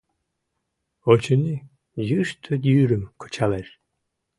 Очыни, йӱштӧ йӱрым кычалеш.